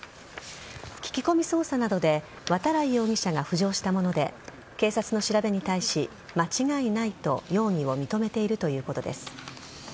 聞き込み捜査などで渡来容疑者が浮上したもので警察の調べに対し、間違いないと容疑を認めているということです。